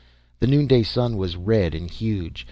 The noon day Sun was red and huge.